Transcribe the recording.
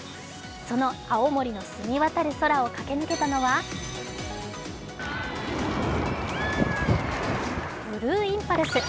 その青森の澄み渡る空を駆け抜けたのはブルーインパルス。